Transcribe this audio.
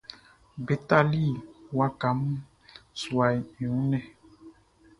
Be tali waka mun suaʼn i wun lɛ.